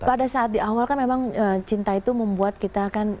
pada saat di awal kan memang cinta itu membuat kita kan